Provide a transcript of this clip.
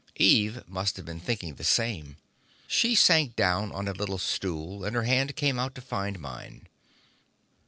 Eve must have been thinking the same. She sank down on a little stool, and her hand came out to find mine.